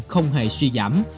không hề suy giảm